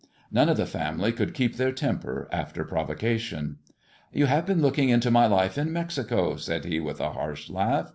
None of thd family could keep their temper after provocation. " You have been looking into my life in Mexico," aii he, with a harsh laugh.